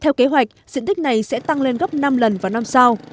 theo kế hoạch diện tích này sẽ tăng lên gấp năm lần vào năm sau